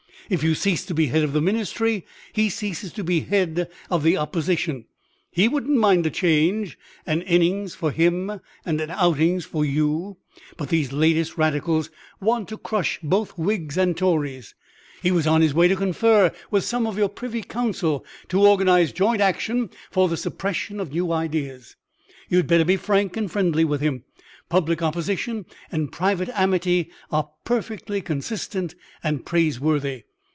If you cease to be head of the ministry, he ceases to be head of the opposition; he wouldn't mind a change, an innings for him and an outings for you; but these latest radicals want to crush both Whigs and Tories. He was on his way to confer with some of your Privy Council, to organise joint action for the suppression of new ideas. You had better be frank and friendly with him. Public opposition and private amity are perfectly consistent and praiseworthy.